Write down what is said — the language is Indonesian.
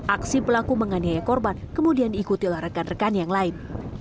aksi pelaku menganiaya korban kemudian diikuti oleh rekan rekan yang lain